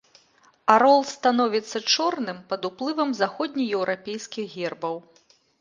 Арол становіцца чорным пад уплывам заходнееўрапейскіх гербаў.